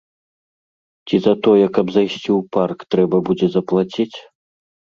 Ці за тое, каб зайсці ў парк, трэба будзе заплаціць?